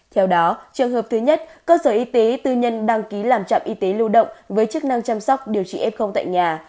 theo đó trường hợp thứ nhất cơ sở y tế tư nhân đăng ký làm trạm y tế lưu động với chức năng chăm sóc điều trị f tại nhà